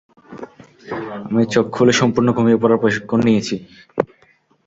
আমি চোখ খুলে সম্পূর্ণ ঘুমিয়ে পড়ার প্রশিক্ষণ নিয়েছি।